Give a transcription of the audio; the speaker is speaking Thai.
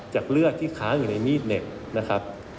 จากเลือดที่ค้าอยู่ในมีดเหน็บ